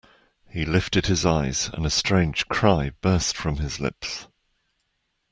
He lifted his eyes, and a strange cry burst from his lips.